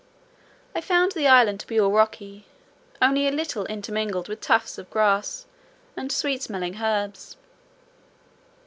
I found the island to be all rocky, only a little intermingled with tufts of grass, and sweet smelling herbs.